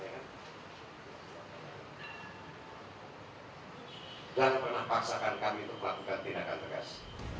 jangan pernah paksakan kami untuk melakukan tindakan tegas